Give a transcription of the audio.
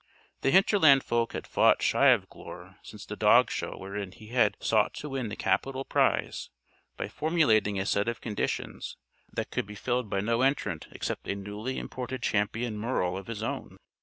The hinterland folk had fought shy of Glure since the dog show wherein he had sought to win the capital prize by formulating a set of conditions that could be filled by no entrant except a newly imported champion Merle of his own.